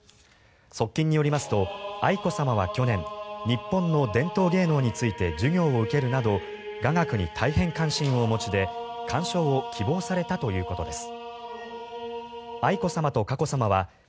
側近によりますと愛子さまは去年日本の伝統芸能について授業を受けるなど雅楽に大変関心をお持ちで鑑賞を希望されたということです。